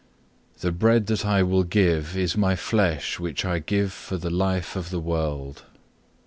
The bread that I will give is My flesh which I give for the life of the world.